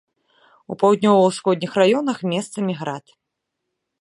У паўднёва-ўсходніх раёнах месцамі град.